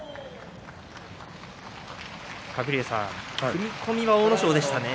鶴竜さん、踏み込みは阿武咲でしたね。